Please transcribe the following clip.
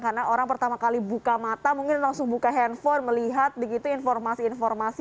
karena orang pertama kali buka mata mungkin langsung buka handphone melihat informasi informasi